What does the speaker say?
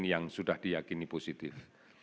yang sudah diyakini positif